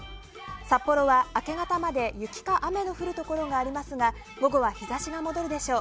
札幌は明け方まで雪か雨の降るところがありますが午後は日差しが戻るでしょう。